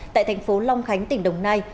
tại thành phố long khánh tỉnh đồng nai